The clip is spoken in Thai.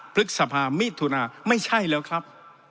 พฤษภามิถุนาไม่ใช่แล้วครับ